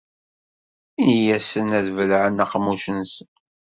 In-asen ad bellɛen aqemmuc-nsen.